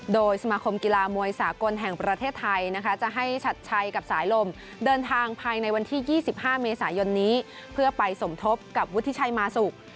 โดยสมาคมกีฬามวยสากลแห่งประเทศไทยนะคะจะให้ชัดชัยกับสายลมเดินทางภายในวันที่๒๕เมษายนนี้เพื่อไปสมทบกับวุฒิชัยมาสุก